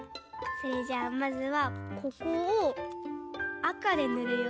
それじゃあまずはここをあかでぬるよ。